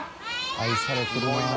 愛されてるなぁ。